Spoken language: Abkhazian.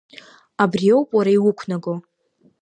Абриоуп уара иуқәнаго!